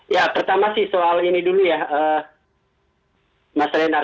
ya pertama sih soal ini dulu ya mas reinhard